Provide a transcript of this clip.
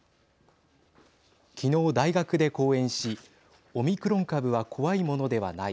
昨日、大学で講演しオミクロン株は怖いものではない。